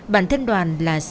bản thân đoàn là